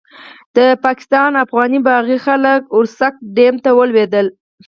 د پاکستان افغاني باغي خلک ورسک ډېم ته ولوېدل.